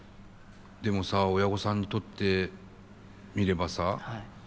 でもさ親御さんにとってみればさ